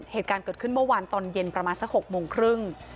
เหตุการณ์เกิดขึ้นเมื่อวานตอนเย็นประมาณสัก๖โมงครึ่ง